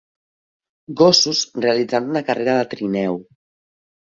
Gossos realitzant una carrera de trineu.